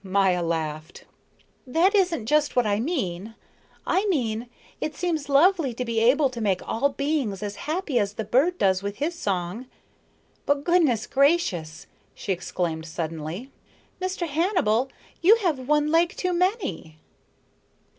Maya laughed. "That isn't just what I mean. I mean, it seems lovely to be able to make all beings as happy as the bird does with his song. But goodness gracious!" she exclaimed suddenly. "Mr. Hannibal, you have one leg too many."